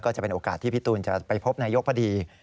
ก็จะเป็นโอกาสที่พี่ตูนจะไปพบนายกพอดี